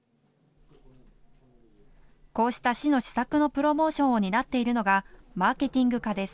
こうした市の施策のプロモーションを担っているのがマーケティング課です。